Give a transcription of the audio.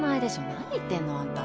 何言ってんのあんた。